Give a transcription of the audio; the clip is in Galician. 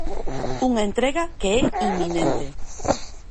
Unha entrega que é inminente.